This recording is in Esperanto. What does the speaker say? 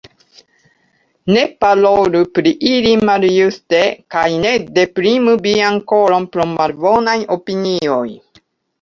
Ne parolu pri ili maljuste kaj ne deprimu vian koron pro malbonaj opinioj.